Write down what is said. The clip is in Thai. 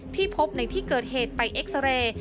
พบในที่เกิดเหตุไปเอ็กซาเรย์